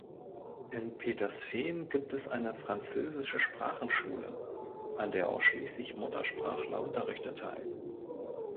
In Petersfehn gibt es eine "Französische Sprachenschule", an der ausschließlich Muttersprachler Unterricht erteilen.